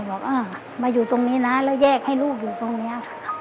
บอกมาอยู่ตรงนี้นะแล้วแยกให้ลูกอยู่ตรงนี้